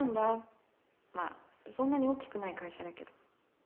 まあそんなに大きくない会社だけど。